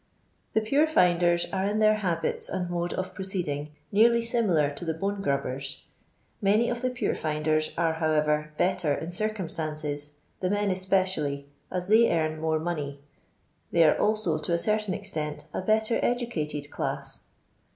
The pure findcn are in their habits and mode of proceeding nearly similar to the bone grubbers. Many of the puretinden are, however, better in circumstances, the men especially, as they earn more money. They are also, to a certain extent, a better educated class.